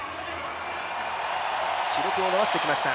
記録を伸ばしてきました。